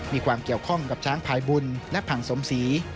มีความเกี่ยวข้องกับช้างพายบุญและผังสมศรี